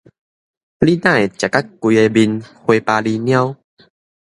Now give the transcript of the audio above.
你哪會食甲規个面花巴哩貓？